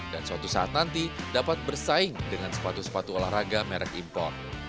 dan suatu saat nanti dapat bersaing dengan sepatu sepatu olahraga merek impor